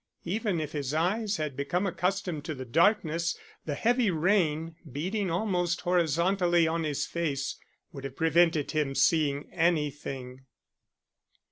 Even if his eyes had become accustomed to the darkness, the heavy rain, beating almost horizontally on his face, would have prevented him seeing anything.